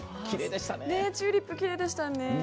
きれいでしたね。